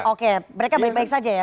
oke mereka baik baik saja ya